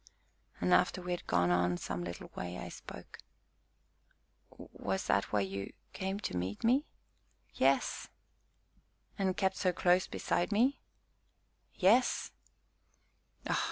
And, after we had gone on some little way, I spoke. "Was that why you came to meet me?" "Yes." "And kept so close beside me." "Yes."